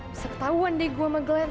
bisa ketauan deh gue sama glenn